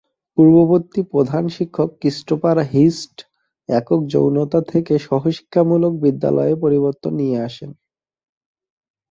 পূর্ববর্তী প্রধান শিক্ষক ক্রিস্টোফার হির্স্ট একক-যৌনতা থেকে সহ-শিক্ষামূলক বিদ্যালয়ে পরিবর্তন নিয়ে আসেন।